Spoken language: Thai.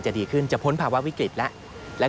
พบหน้าลูกแบบเป็นร่างไร้วิญญาณ